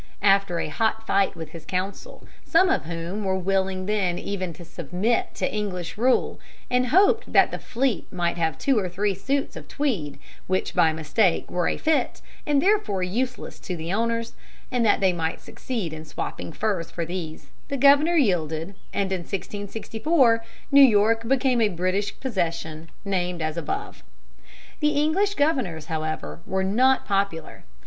After a hot fight with his council, some of whom were willing even then to submit to English rule and hoped that the fleet might have two or three suits of tweed which by mistake were a fit and therefore useless to the owners, and that they might succeed in swapping furs for these, the governor yielded, and in 1664 New York became a British possession, named as above. The English governors, however, were not popular.